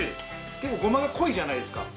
結構ゴマが濃いじゃないですか。